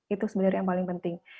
itu sebenarnya yang paling penting